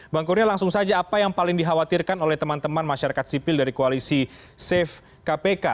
bang kurnia langsung saja apa yang paling dikhawatirkan oleh teman teman masyarakat sipil dari koalisi safe kpk